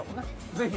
ぜひ。